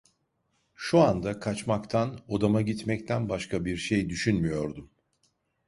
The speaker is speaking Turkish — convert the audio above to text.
Şu anda kaçmaktan, odama gitmekten başka bir şey düşünmüyordum.